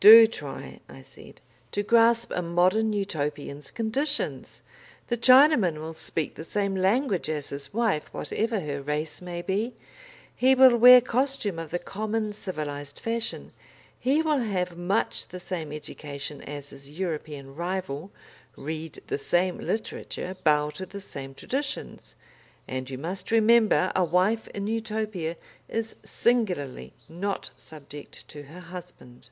"Do try," I said, "to grasp a Modern Utopian's conditions. The Chinaman will speak the same language as his wife whatever her race may be he will wear costume of the common civilised fashion, he will have much the same education as his European rival, read the same literature, bow to the same traditions. And you must remember a wife in Utopia is singularly not subject to her husband...."